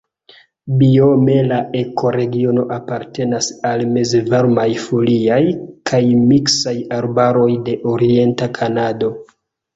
Biome la ekoregiono apartenas al mezvarmaj foliaj kaj miksaj arbaroj de orienta Kanado.